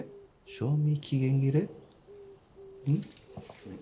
賞味期限切れ？